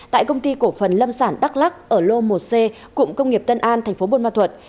tại công ty cổ phần lâm sản đắk lắc ở lô một c cụm công nghiệp tân an tp bồn ma thuật